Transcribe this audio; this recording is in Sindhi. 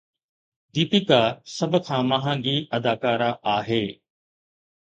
ديپيڪا سڀ کان مهانگي اداڪارا آهي